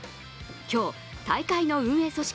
今日、大会の運営組織